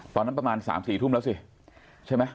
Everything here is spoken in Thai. ประมาณ๓๔ทุ่มแล้วสิใช่ไหม